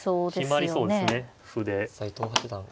決まりそうですね歩で。